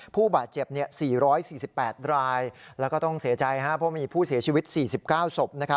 ผู้บาดเจ็บ๔๔๘รายแล้วก็ต้องเสียใจเพราะมีผู้เสียชีวิต๔๙ศพ